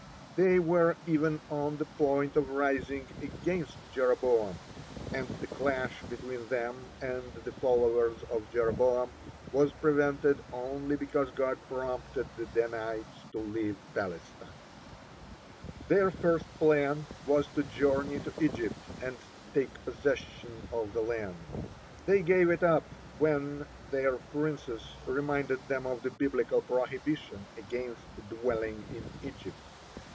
They were even on the point of rising against Jeroboam, and the clash between them and the followers of Jeroboam was prevented only because God prompted the Danites to leave Palestine. Their first plan was to journey to Egypt and take possession of the land. They gave it up when their princes reminded them of the Biblical prohibition (11) against dwelling in Egypt.